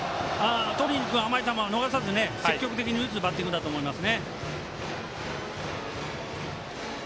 とりにくる甘い球を逃さず積極的に打つバッティングだと思います。